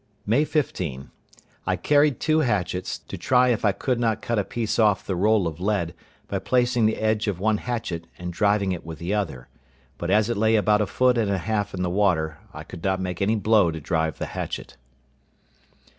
May 15.—I carried two hatchets, to try if I could not cut a piece off the roll of lead by placing the edge of one hatchet and driving it with the other; but as it lay about a foot and a half in the water, I could not make any blow to drive the hatchet.